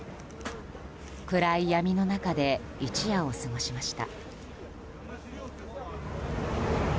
暗い闇の中で一夜を過ごしました。